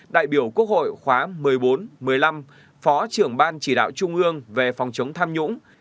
đại biểu quốc hội khóa một mươi bốn một mươi năm phó trưởng ban chỉ đạo trung ương về phòng chống tham nhũng